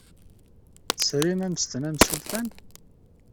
Tesrim ammesten amsultan?